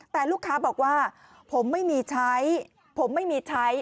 แต่ลูกค้าบอกว่าผมไม่มีใช้ผมไม่มีใช้